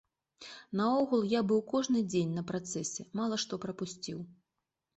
Наогул, я быў кожны дзень на працэсе, мала што прапусціў.